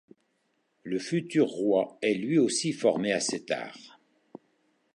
Le futur roi est lui aussi formé à cet art.